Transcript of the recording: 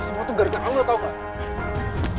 semua tuh gara gara lo tau gak